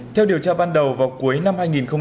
theo điều tra ban đầu vào cuối năm hai nghìn hai mươi hai